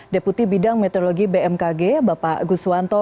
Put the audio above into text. deputi bidang meteorologi bmkg bapak guswanto